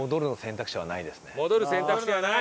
戻る選択肢はない！